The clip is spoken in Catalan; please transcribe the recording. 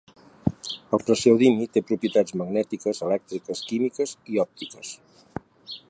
El praseodimi té propietats magnètiques, elèctriques, químiques i òptiques.